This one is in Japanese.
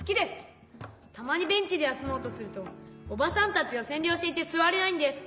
たまにベンチで休もうとするとおばさんたちがせん領していてすわれないんです。